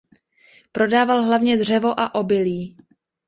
Prodával hlavně dřevo a obilí.